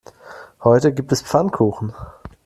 Heute gibt es Pfannkuchen.